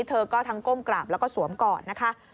เธอก็ทั้งก้มกราบแล้วก็สวมกอดนะคะ